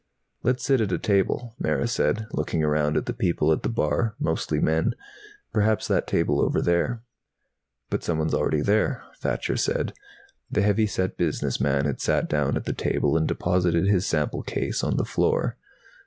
"Let's sit at a table," Mara said, looking around at the people at the bar, mostly men. "Perhaps that table over there." "But someone's there already," Thacher said. The heavy set business man had sat down at the table and deposited his sample case on the floor.